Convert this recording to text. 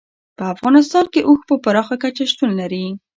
په افغانستان کې اوښ په پراخه کچه شتون لري.